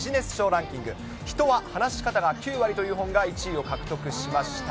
ランキング、人は話し方が９割という本が１位を獲得しました。